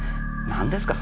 何ですか？